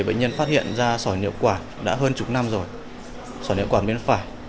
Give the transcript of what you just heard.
bệnh nhân phát hiện ra sỏi niệu quả đã hơn chục năm rồi sỏi niệu quả bên phải